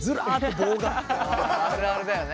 あるあるだよね。